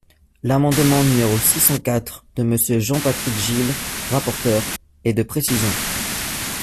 L’amendement numéro six cent quatre de Monsieur Jean-Patrick Gille, rapporteur, est de précision.